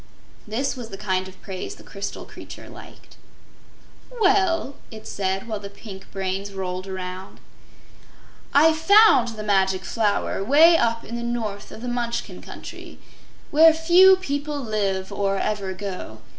This was the kind of praise the crystal creature liked. "Well," it said, while the pink brains rolled around, "I found the Magic Flower way up in the north of the Munchkin Country where few people live or ever go.